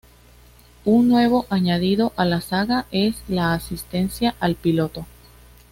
Un nuevo añadido a la saga es la Asistencia al piloto.